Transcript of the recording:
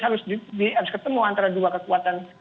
harus ketemu antara dua kekuatan